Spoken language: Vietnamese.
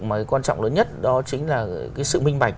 mà quan trọng lớn nhất đó chính là cái sự minh bạch